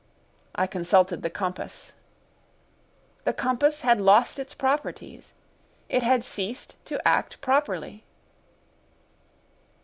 I consulted the compass. The compass had lost its properties! it had ceased to act properly!